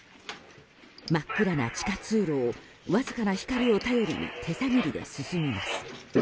真っ暗な地下通路をわずかな光を頼りに手探りで進みます。